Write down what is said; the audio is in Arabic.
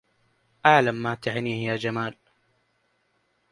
أعلم ما تعنيه يا جمال.